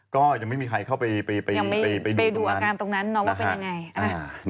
ก็ยังไม่มีใครเข้าไปดูตรงนั้น